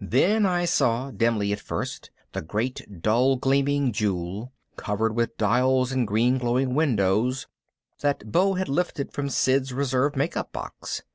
Then I saw, dimly at first, the great dull gleaming jewel, covered with dials and green glowing windows, that Beau had lifted from Sid's reserve makeup box.